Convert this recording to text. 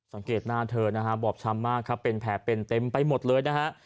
สังเกตหน้าเธอนะฮะบอบช้ำมากครับเป็นแผลเป็นเต็มไปหมดเลยนะฮะ